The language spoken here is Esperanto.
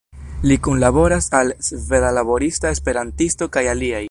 Li kunlaboras al Sveda Laborista Esperantisto kaj aliaj.